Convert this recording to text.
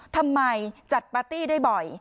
ทำไมจัดปาร์ตี้ได้บ่อย